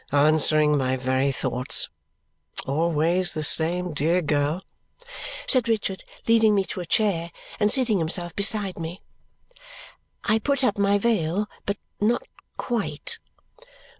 "Answering my very thoughts always the same dear girl!" said Richard, leading me to a chair and seating himself beside me. I put my veil up, but not quite.